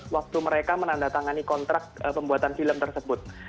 waktu mereka menandatangani kontrak pembuatan film tersebut